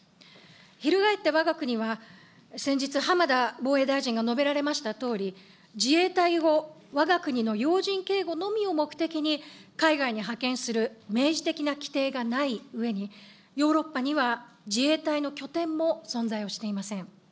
翻ってわが国は、先日浜田防衛大臣が述べられましたとおり、自衛隊をわが国の要人警護のみを目的に海外に派遣する明示的な規定がないうえに、ヨーロッパには自衛隊の拠点も存在をしていません。